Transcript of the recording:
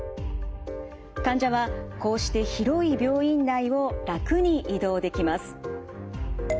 患者はこうして広い病院内を楽に移動できます。